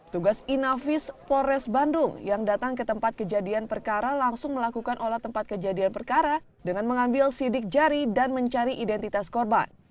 tugas inavis polres bandung yang datang ke tempat kejadian perkara langsung melakukan olah tempat kejadian perkara dengan mengambil sidik jari dan mencari identitas korban